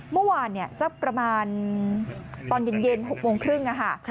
เมื่อวานสักประมาณตอนเย็น๖โมงครึ่งค่ะ